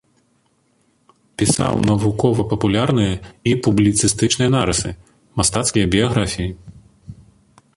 Пісаў навукова-папулярныя і публіцыстычныя нарысы, мастацкія біяграфіі.